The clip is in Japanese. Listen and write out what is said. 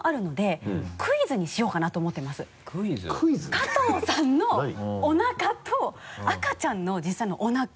加藤さんのおなかと赤ちゃんの実際のおなか。